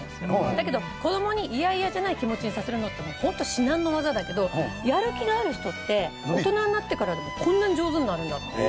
だけど子供に嫌々じゃない気持ちにさせるのってホント至難の業だけどやる気のある人って大人になってからでもこんなに上手になるんだって。